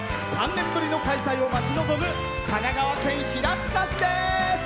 ３年ぶりの開催を待ち望む神奈川県平塚市です。